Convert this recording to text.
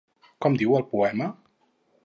Com diu el poema?